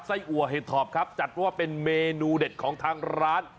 ไส้อัวเดฏโทรปจัดว่าเป็นเมนูเด็ดของทางร้าน